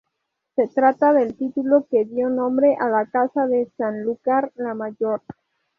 Se trata del título que dio nombre a la Casa de Sanlúcar la Mayor.